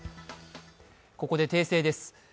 ここで訂正です。